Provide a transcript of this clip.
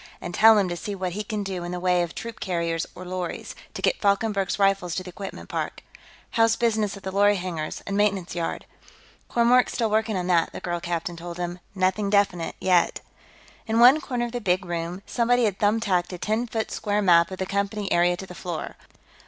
And tell him to see what he can do in the way of troop carriers or lorries, to get Falkenberg's Rifles to the equipment park.... How's business at the lorry hangars and maintenance yard?" "Kormork's still working on that," the girl captain told him. "Nothing definite, yet." In one corner of the big room, somebody had thumbtacked a ten foot square map of the Company area to the floor.